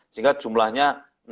sehingga jumlahnya enam ratus